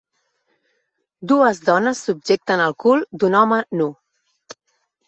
Dues dones subjecten el cul d'un home nu